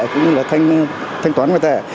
cũng như là thanh toán ngoại tệ